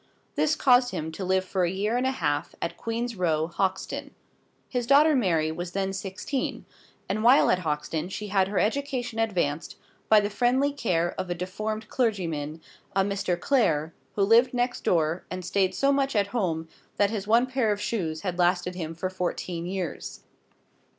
This caused him to live for a year and a half at Queen's Row, Hoxton. His daughter Mary was then sixteen; and while at Hoxton she had her education advanced by the friendly care of a deformed clergyman a Mr. Clare who lived next door, and stayed so much at home that his one pair of shoes had lasted him for fourteen years.